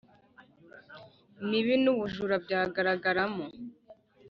mibi n ubujura byagaragaramo